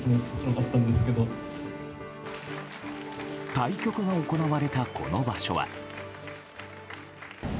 対局が行われたこの場所は。